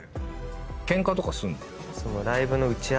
ケンカとかすんの？